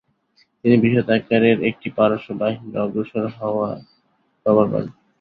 তিনি বৃহৎ আকারের একটি পারস্য বাহিনীর অগ্রসর হওয়ার খবর পান।